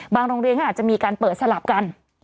โรงเรียนก็อาจจะมีการเปิดสลับกัน